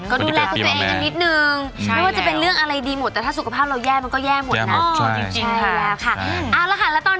คนที่เกิดปีเมมีย์ก็ดูแลกกับตัวเองกันนิดนึง